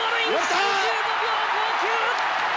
３５秒５９！